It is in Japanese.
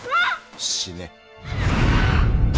死ね。